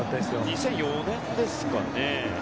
２００４年ですかね。